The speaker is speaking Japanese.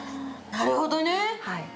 なるほどね。